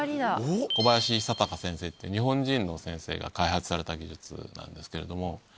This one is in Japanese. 小林久隆先生っていう日本人の先生が開発された技術なんですけれども。